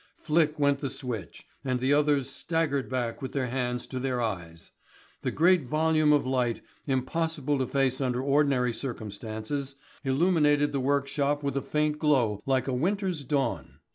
Flick went the switch, and the others staggered back with their hands to their eyes. The great volume of light, impossible to face under ordinary circumstances, illuminated the workshop with a faint glow like a winter's dawn.